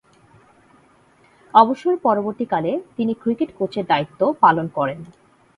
অবসর-পরবর্তীকালে তিনি ক্রিকেট কোচের দায়িত্ব পালন করেন।